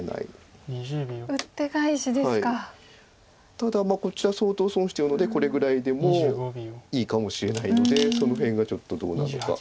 ただこちら相当損してるのでこれぐらいでもいいかもしれないのでその辺がちょっとどうなのか。